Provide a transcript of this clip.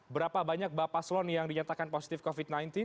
berapa banyak bapak paslon yang dinyatakan positif covid sembilan belas